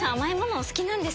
お好きなんですか？